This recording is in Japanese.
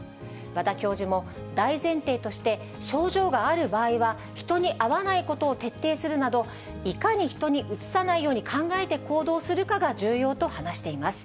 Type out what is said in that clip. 和田教授も、大前提として、症状がある場合は人に会わないことを徹底するなど、いかに人にうつさないように考えて行動するかが重要と話しています。